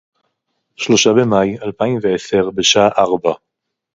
שלושה במאי אלפיים ועשר בשעה ארבע